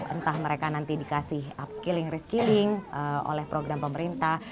entah mereka nanti dikasih upskilling reskilling oleh program pemerintah